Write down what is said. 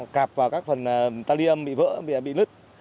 cạp vào các phần talium bị vỡ bị nứt